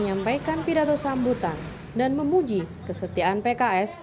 menyampaikan pidato sambutan dan memuji kesetiaan pks